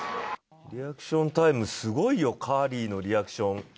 リアクションタイム、すごいよ、カーリーのリアクション。